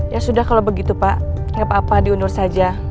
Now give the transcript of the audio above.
ya sudah kalau begitu pak nggak apa apa diundur saja